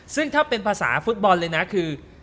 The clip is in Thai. ซึ่งถ้าเป็นภาษาฟุตบอลเลยนะคือ